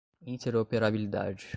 interoperabilidade